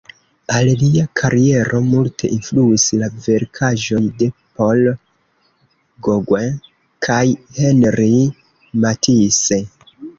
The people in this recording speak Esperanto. Al lia kariero multe influis la verkaĵoj de Paul Gauguin kaj Henri Matisse.